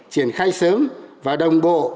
triển khai sớm và đồng bộ